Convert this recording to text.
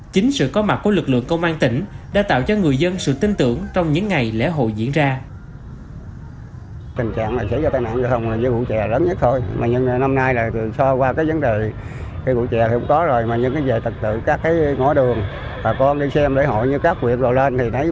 chính sự có mặt của lực lượng công an tỉnh đã tạo cho người dân sự tin tưởng trong những ngày lễ hội diễn ra